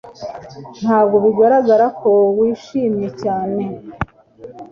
Ntabwo bigaragara ko wishimye cyane